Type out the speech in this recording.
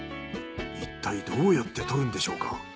いったいどうやって採るんでしょうか？